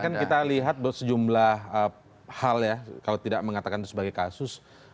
karena kan kita lihat sejumlah hal ya kalau tidak mengatakan itu sebagai kasus